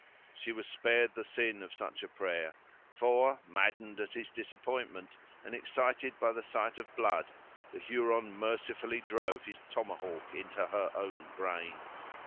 She was spared the sin of such a prayer for, maddened at his disappointment, and excited at the sight of blood, the Huron mercifully drove his tomahawk into her own brain.